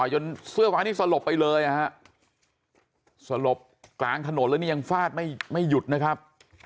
เสื้อฟ้านี่สลบไปเลยนะฮะสลบกลางถนนแล้วนี่ยังฟาดไม่หยุดนะครับ